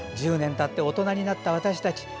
１０年たって大人になった私たち。